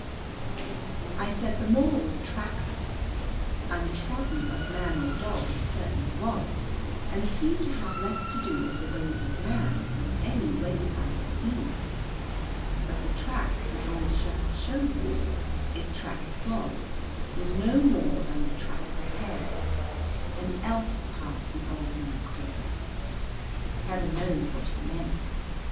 I said the moor was trackless; untrodden of man or dog it certainly was and seemed to have less to do with the ways of man than any waste I have seen, but the track the old shepherd showed me, if track it was, was no more than the track of a hare an elf path the old man called it, Heaven knows what he meant.